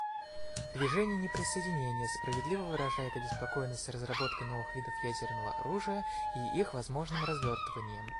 Движение неприсоединения справедливо выражает обеспокоенность разработкой новых видов ядерного оружия и их возможным развертыванием.